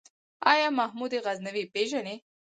آيا محمود غزنوي پېژنې ؟